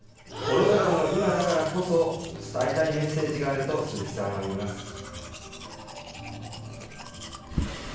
コロナ禍の今だからこそ、伝えたいメッセージがあると鈴木さんは言います。